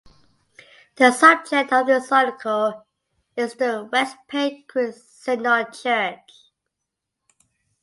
The subject of this article is the West Paint Creek Synod Church.